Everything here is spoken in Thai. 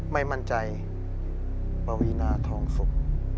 ไม่มั่นใจปวีนาทองสุก